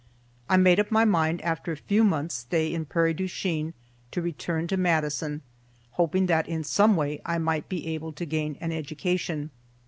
I made up my mind after a few months' stay in Prairie du Chien to return to Madison, hoping that in some way I might be able to gain an education.